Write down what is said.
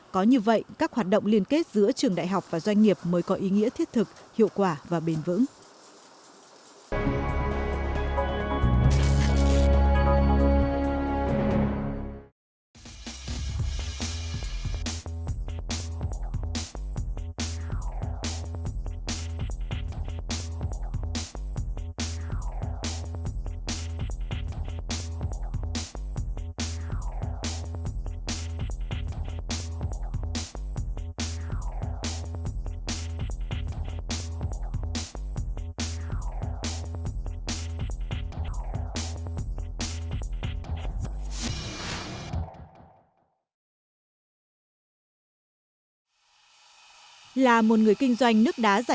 có như vậy các hoạt động liên kết giữa trường đại học và doanh nghiệp mới có ý nghĩa thiết thực hiệu quả và bền vững